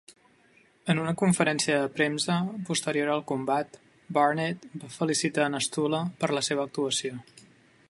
En una conferència de premsa posterior al combat, Barnett va felicitar Nastula per la seva actuació.